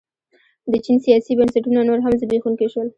د چین سیاسي بنسټونه نور هم زبېښونکي شول.